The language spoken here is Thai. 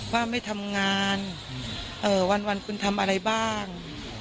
ว่าไม่ทำงานวันคุณทำอะไรบ้าง